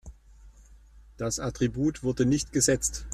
Das Attribut wurde nicht gesetzt.